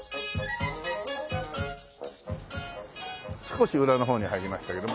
少し裏の方に入りましたけど。